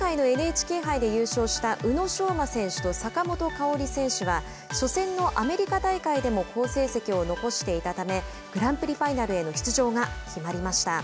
今回のＮＨＫ杯で優勝した宇野昌磨選手と坂本花織選手は初戦のアメリカ大会でも好成績を残していたためグランプリファイナルへの出場が決まりました。